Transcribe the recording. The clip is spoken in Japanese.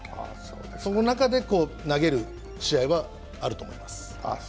その中で投げる試合はあると思います。